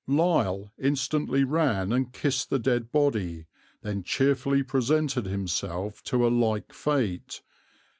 Lisle instantly ran and kissed the dead body, then cheerfully presented himself to a like fate.